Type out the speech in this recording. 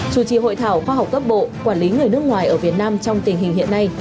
chủ trì hội thảo khoa học cấp bộ quản lý người nước ngoài ở việt nam trong tình hình hiện nay